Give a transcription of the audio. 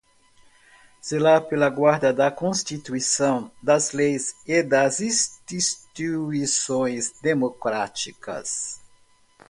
zelar pela guarda da Constituição, das leis e das instituições democráticas